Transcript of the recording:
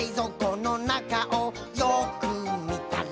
「の中をよくみたら」